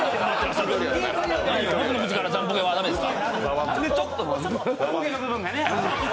僕の口からジャンポケは駄目ですか？